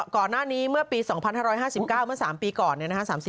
ก่อนหน้านี้เมื่อปี๒๕๕๙เมื่อ๓๔ปีก่อน